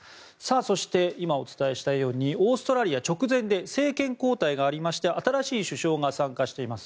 そして、今お伝えしたようにオーストラリアは直前で政権交代がありまして新しい首相が参加しています。